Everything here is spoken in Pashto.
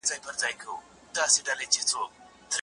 که تکنالوژي ارزان سي داخلي صنعت به وده وکړي.